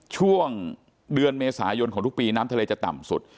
ช่วงเดือนเมษายนของทุกปีน้ำทะเลจะต่ำสุด